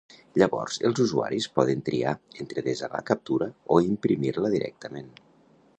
Llavors els usuaris poden triar entre desar la captura o imprimir-la directament.